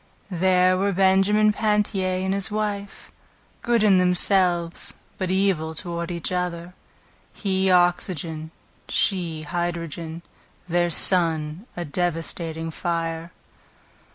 There were Benjamin Pantier and his wife, Good in themselves, but evil toward each other; He oxygen, she hydrogen, Their son, a devastating fire.